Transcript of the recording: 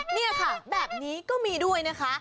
นี่ค่ะแบบนี้ก็มีด้วยนะคะ